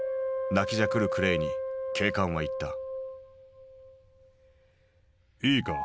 泣きじゃくるクレイに警官は言った。